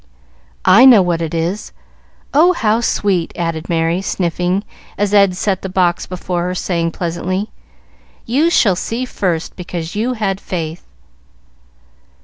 "I know what it is! Oh, how sweet!" added Merry, sniffing, as Ed set the box before her, saying pleasantly, "You shall see first, because you had faith."